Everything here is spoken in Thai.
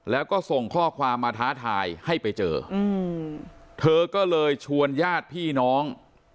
แล้วก็ส่งข้อความมาท้าทายให้ไปเจอเธอก็เลยชวนญาติพี่น้อง